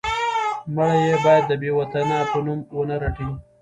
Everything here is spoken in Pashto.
مړی یې باید د بې وطنه په نوم ونه رټي.